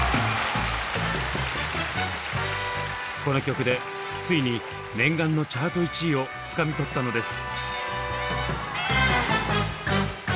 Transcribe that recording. この曲でついに念願のチャート１位をつかみ取ったのです。